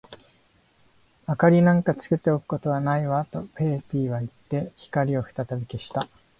「明りなんかつけておくことはないわ」と、ペーピーはいって、光をふたたび消した。